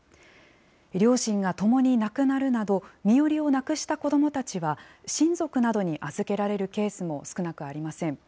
両親が共に亡くなるなど、身寄りを亡くした子どもたちは、親族などに預けられるケースも少なくありません。